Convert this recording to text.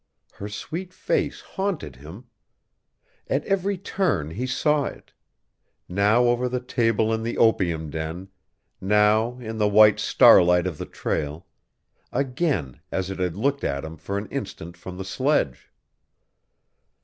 Her sweet face haunted him. At every turn he saw it now over the table in the opium den, now in the white starlight of the trail, again as it had looked at him for an instant from the sledge.